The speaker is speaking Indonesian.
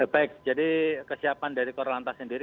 baik jadi kesiapan dari korlantas sendiri